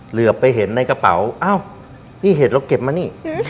เหลือไปเห็นในกระเป๋าอ้าวนี่เห็ดเราเก็บมานี่